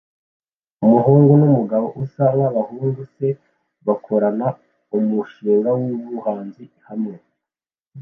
Umuhungu numugabo usa nkabahungu se bakorana umushinga wubuhanzi hamwe